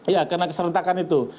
ya kena keserantakan itu